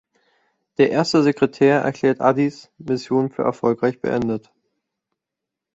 Der Erste Sekretär erklärt Addis Mission für erfolgreich beendet.